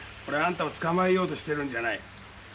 俺はあんたを捕まえようとしてるんじゃない。